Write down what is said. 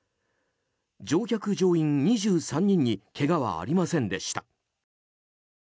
乗客・乗員２３人にけがはありませんでした。